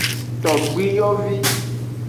Togbiyovi.